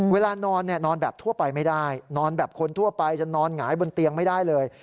เวลานอนเนี่ยนอนแบบทั่วไปไม่ได้นอนแบบคนทั่วไปจะนอนหงายบนเตียงไม่ได้เลย